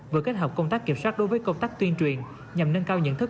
vừa kết hợp công tác kiểm soát đối với công tác tuyên truyền nhằm nâng cao nhận thức